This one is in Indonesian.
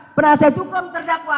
nota keberatan penasihat hukum terdakwa